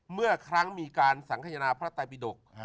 เมื่อครั้งมีการสังขยนาพระไตบิดก